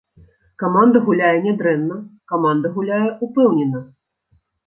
Каманда гуляе нядрэнна, каманда гуляе ўпэўнена.